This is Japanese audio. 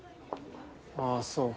ああそう。